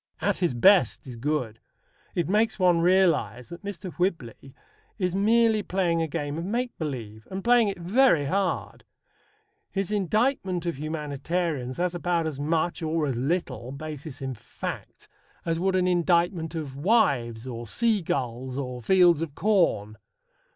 "At his best" is good. It makes one realize that Mr. Whibley is merely playing a game of make believe, and playing it very hard. His indictment of humanitarians has about as much, or as little, basis in fact as would an indictment of wives or seagulls or fields of corn.